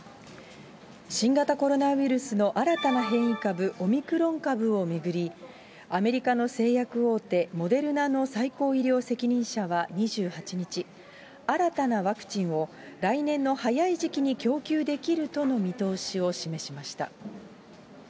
新型コロナウイルスの新たな変異株、オミクロン株を巡り、アメリカの製薬大手、モデルナの最高医療責任者は２８日、新たなワクチンを来年の早い時期に供給できるとの見通しを示しました。